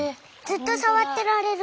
ずっとさわってられる！